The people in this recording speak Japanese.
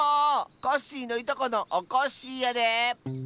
コッシーのいとこのおこっしぃやで。